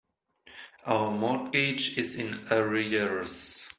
Our mortgage is in arrears.